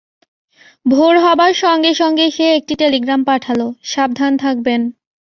ভোর হবার সঙ্গে-সঙ্গেই সে একটি টেলিগ্রাম পাঠাল, সাবধান থাকবেন!